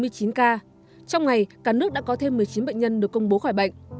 trong ngày cả nước đã có thêm một mươi chín bệnh nhân được công bố khỏi bệnh